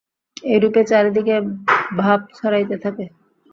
এইরূপে চারিদিকে ভাব ছড়াইতে থাকে।